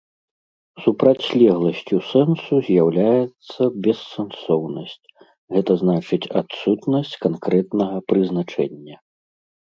Супрацьлегласцю сэнсу з'яўляецца бессэнсоўнасць, гэта значыць адсутнасць канкрэтнага прызначэння.